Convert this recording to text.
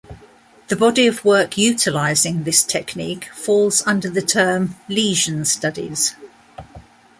The body of work utilizing this technique falls under the term "lesion studies".